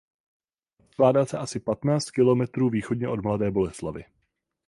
Rozkládá se asi patnáct kilometrů východně od Mladé Boleslavi.